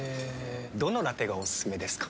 どのラテがおすすめですか？